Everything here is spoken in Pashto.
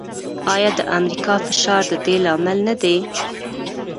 آیا د امریکا فشار د دې لامل نه دی؟